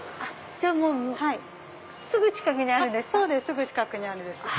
じゃあすぐ近くにあるんですか？